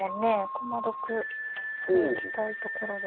駒得していきたいところですけれど。